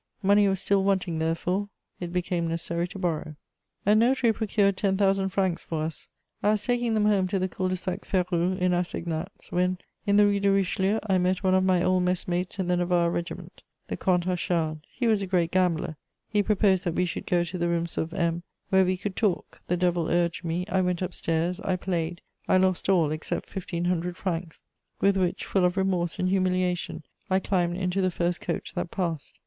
Money was still wanting, therefore; it became necessary to borrow. A notary procured ten thousand francs for us: I was taking them home to the Cul de sac Férou, in assignats, when, in the Rue de Richelieu, I met one of my old messmates in the Navarre Regiment, the Comte Achard. He was a great gambler; he proposed that we should go to the rooms of M , where we could talk; the devil urged me: I went upstairs, I played, I lost all, except fifteen hundred francs, with which, full of remorse and humiliation, I climbed into the first coach that passed.